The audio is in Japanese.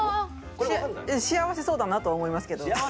幸せそうだなと思いますけど。